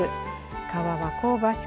皮は香ばしく